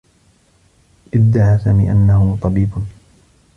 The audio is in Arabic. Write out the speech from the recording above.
ادّعى سامي أنّه طبيب.